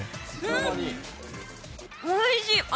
おいしい！